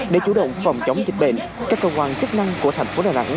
để chủ động phòng chống dịch bệnh các cơ quan chức năng của thành phố đà nẵng